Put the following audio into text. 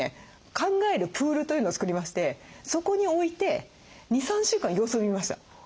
考えるプールというのを作りましてそこに置いて２３週間様子を見ました。